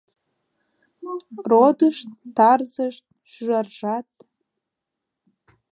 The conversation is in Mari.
Родышт, тарзышт, шӱжаржат